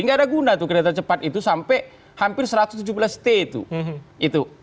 nggak ada guna tuh kereta cepat itu sampai hampir satu ratus tujuh belas t itu